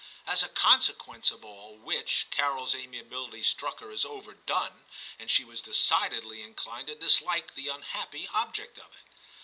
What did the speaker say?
As a consequence of all which, Carols amiability struck her as overdone, and she was decidedly inclined to dislike the unhappy object of it.